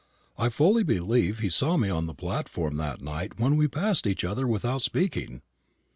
I fully believe he saw me on the platform that night when we passed each other without speaking."